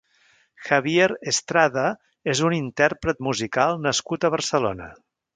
Javier Estrada és un intérpret musical nascut a Barcelona.